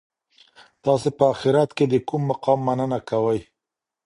تاسي په اخیرت کي د کوم مقام مننه کوئ؟